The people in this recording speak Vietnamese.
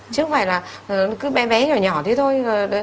chứ không phải là cứ bé nhỏ nhỏ thế thôi